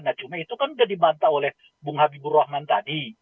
nah cuma itu kan sudah dibantah oleh bung habibur rahman tadi